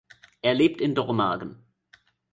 Er lebt in Dormagen.